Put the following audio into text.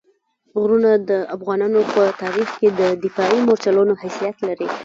غرونه د افغانستان په تاریخ کې د دفاعي مورچلونو حیثیت لري.